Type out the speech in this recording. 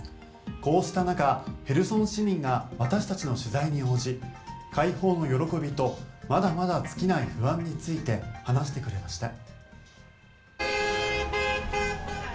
こうした中ヘルソン市民が私たちの取材に応じ解放の喜びとまだまだ尽きない不安について話してくれました。